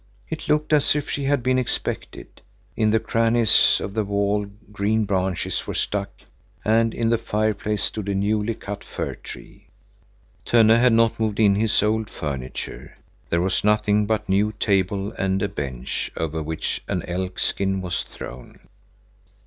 It looked as if she had been expected; in the crannies of the wall green branches were stuck, and in the fireplace stood a newly cut fir tree. Tönne had not moved in his old furniture. There was nothing but a new table and a bench, over which an elk skin was thrown.